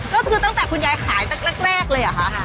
ก็คือตั้งแต่คุณยายขายตั้งแต่แรกเลยหรอคะ